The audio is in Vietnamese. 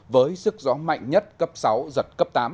với sức gió mạnh nhất cấp sáu giật cấp tám